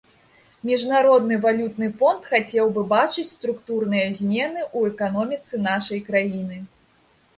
Міжнародны валютны фонд хацеў бы бачыць структурныя змены ў эканоміцы нашай краіны.